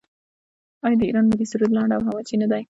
آیا د ایران ملي سرود لنډ او حماسي نه دی؟